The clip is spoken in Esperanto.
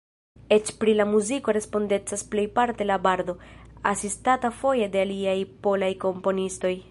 Eĉ pri la muziko respondecas plejparte la bardo, asistata foje de aliaj polaj komponistoj.